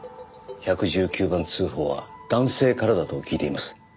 １１９番通報は男性からだと聞いています。